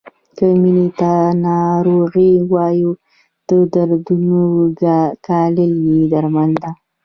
که مینې ته ناروغي ووایو د دردونو ګالل یې درملنه ده.